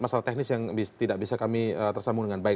masalah teknis yang tidak bisa kami tersambung dengan baik